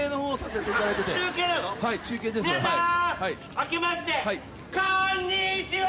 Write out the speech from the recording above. あけましてこんにちは！